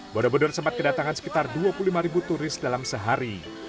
borobudur sempat kedatangan sekitar dua puluh lima ribu turis dalam sehari